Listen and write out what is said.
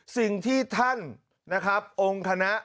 สิ่งที่ท่านนะครับองค์คณะ